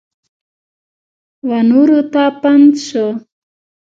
ونورو ته پند شه !